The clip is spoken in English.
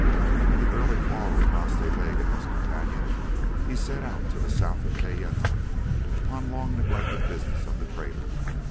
In the early fall, with Nas Ta Bega as companion, he set out to the south of Kayenta upon long neglected business of the trader.